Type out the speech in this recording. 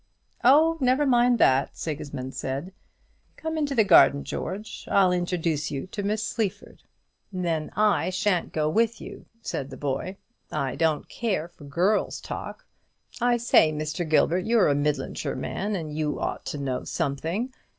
"Oh, never mind that," Sigismund said; "come into the garden, George; I'll introduce you to Miss Sleaford." "Then I shan't go with you," said the boy; "I don't care for girls' talk. I say, Mr. Gilbert, you're a Midlandshire man, and you ought to know something.